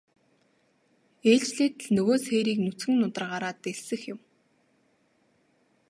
Ээлжлээд л нөгөө сээрийг нүцгэн нударгаараа дэлсэх юм.